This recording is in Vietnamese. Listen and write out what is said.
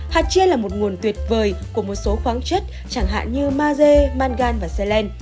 hạt chia là một nguồn tuyệt vời của một số khoáng chất chẳng hạn như maze mangan và selen